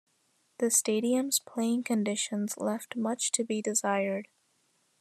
The stadium's playing conditions left much to be desired.